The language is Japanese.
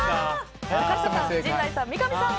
坂下さん、陣内さん、三上さん